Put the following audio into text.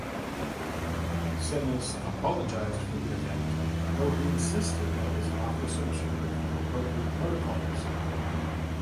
Sinas apologized for the event though he insisted that his office observed appropriate protocols.